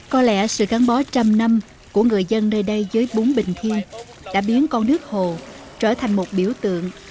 có lẽ sự gắn bó trăm năm của người dân nơi đây dưới bún bình khiên đã biến con nước hồ trở thành một biểu tượng